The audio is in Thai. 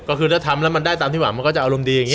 ก็คือถ้าทำแล้วมันได้ตามที่หวังมันก็จะอารมณ์ดีอย่างนี้